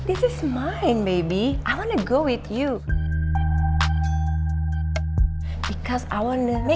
ini anakku baby aku mau pergi sama kamu